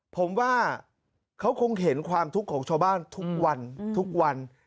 ผมว่าเขาคงเห็นความทุกข์ของชาวบ้านทุกวันทุกวัน